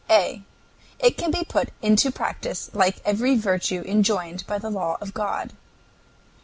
A. It can be put into practice like every virtue enjoined by the law of God.